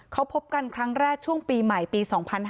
เขาพบกันครั้งแรกช่วงปีใหม่ปี๒๕๕๙